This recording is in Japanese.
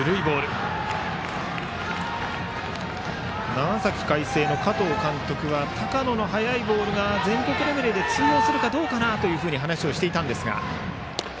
長崎の海星の加藤監督は高野の速いボールが全国レベルで通用するかどうかなと話をしていたんですが。